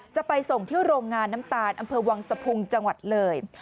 จะไปส่งที่โรงงานน้ำตาลอำเภอวังสะพุงจังหวัดเลย